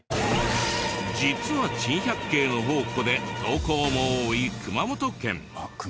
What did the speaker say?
実は珍百景の宝庫で投稿も多い熊本県。